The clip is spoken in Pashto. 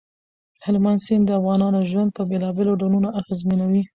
هلمند سیند د افغانانو ژوند په بېلابېلو ډولونو اغېزمنوي.